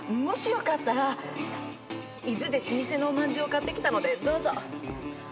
もしよかったら伊豆で老舗のおまんじゅうを買ってきたのでどうぞ。